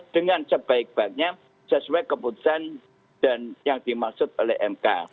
dengan sebaik baiknya sesuai keputusan dan yang dimaksud oleh mk